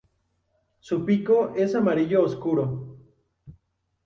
Su pico es amarillo oscuro.